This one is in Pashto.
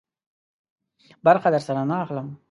برخه درسره نه اخلم.